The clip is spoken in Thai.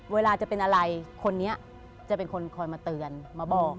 เวลาจะเป็นอะไรคนนี้จะเป็นคนคอยมาเตือนมาบอก